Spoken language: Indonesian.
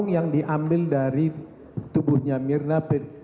yang diambil dari tubuhnya mirna